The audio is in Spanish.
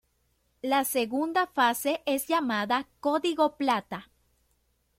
La segunda fase es llamada "Código Plata".